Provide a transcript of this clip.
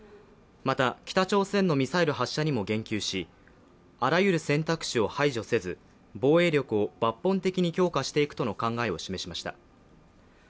また、北朝鮮のミサイル発射にも言及し、あらゆる選択肢を排除せず、防衛力を抜本的に強化していくとの考えを示しました。